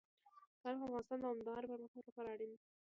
تاریخ د افغانستان د دوامداره پرمختګ لپاره اړین دي.